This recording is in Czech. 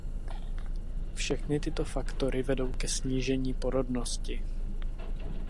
Všechny tyto faktory vedou ke snížení porodnosti.